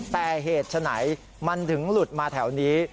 แต่เหตุฉะไหนมันถึงหลุดมาแถวนี้